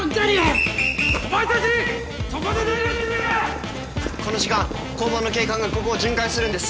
この時間交番の警官がここを巡回するんです。